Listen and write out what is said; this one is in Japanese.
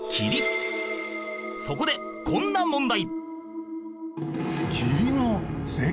そこでこんな問題